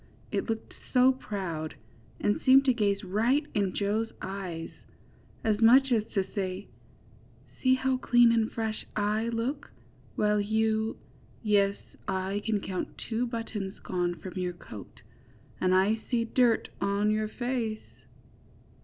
It looked so proud, and seemed to gaze right in Joe's eyes, as much as to say, ^^See how clean and fresh I look, while you— yes, I can count two buttons gone from your coat, and I see dirt on your face."